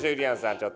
ちょっと！